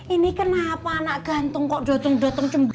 ini kenapa anak ganteng kok jatuh jatuh cemburu